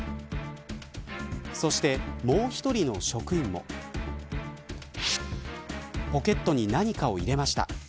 そして、もう１人の職員もポケットに何かを入れました。